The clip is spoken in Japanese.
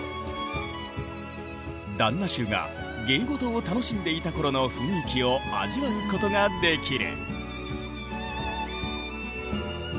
旦那衆が芸事を楽しんでいた頃の雰囲気を味わうことができる。